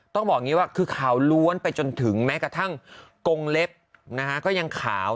ต้องบอกอย่างนี้ว่าคือขาวล้วนไปจนถึงแม้กระทั่งกงเล็บก็ยังขาว